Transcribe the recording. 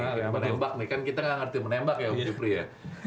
ternyata menembak nih kan kita gak ngerti menembak ya om gipri ya